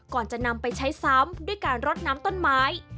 ก่อนจะนำไปใช้ซ้ำด้วยการรดน้ำต้นไม้